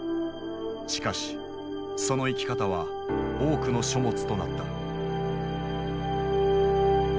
しかしその生き方は多くの書物となった。